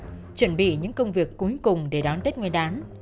họ đang chuẩn bị những công việc cuối cùng để đón tết nguyên đán